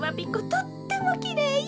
とってもきれいよ。